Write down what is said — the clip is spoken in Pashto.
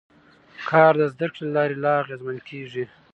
کار د زده کړې له لارې لا اغېزمن کېږي